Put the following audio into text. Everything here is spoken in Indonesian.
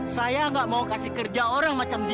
saya nggak mau kasih kerja orang macam dia